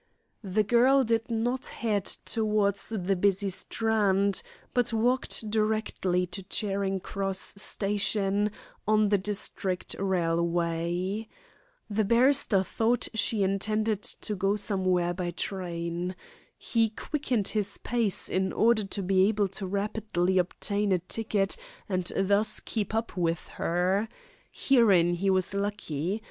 The girl did not head towards the busy Strand, but walked direct to Charing Cross station on the District Railway. The barrister thought she intended to go somewhere by train. He quickened his pace in order to be able to rapidly obtain a ticket and thus keep up with her. Herein he was lucky.